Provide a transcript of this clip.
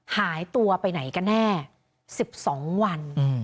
หายตัวไปไหนกันแน่๑๒วัน